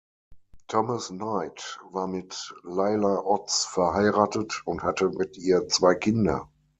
Thomas Knight war mit Leila Otts verheiratet und hatte mit ihr zwei Kinder.